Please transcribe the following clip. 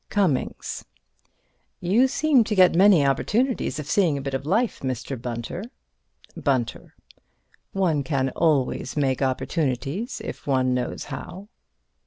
Cummings: You seem to get many opportunities of seeing a bit of life, Mr. Bunter. Bunter: One can always make opportunities if one knows how.